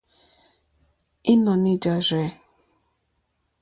Ínɔ̀ní jâ rzɛ̂.